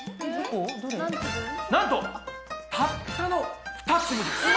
なんとたったの２粒です。え！